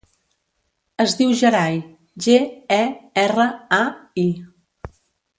Es diu Gerai: ge, e, erra, a, i.